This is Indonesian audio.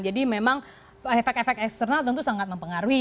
jadi memang efek efek eksternal tentu sangat mempengaruhi